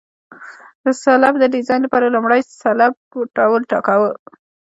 د سلب د ډیزاین لپاره لومړی د سلب ډول ټاکو